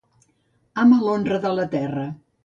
Ama l'honra de la terra.